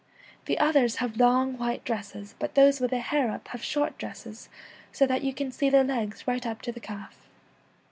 The others have long white dresses, but those with their hair up have short dresses, so that you can see their legs right up to the calf.'